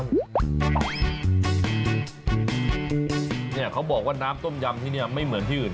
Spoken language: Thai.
เขาบอกว่าน้ำต้มยำที่นี่ไม่เหมือนที่อื่น